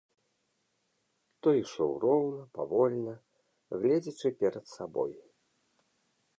Той ішоў роўна, павольна, гледзячы перад сабой.